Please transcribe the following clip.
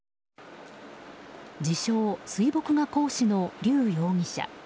自称水墨画講師のリュウ容疑者。